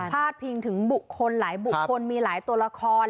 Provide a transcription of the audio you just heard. ดพิงถึงบุคคลหลายบุคคลมีหลายตัวละคร